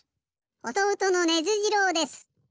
おとうとのネズ次郎です。